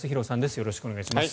よろしくお願いします。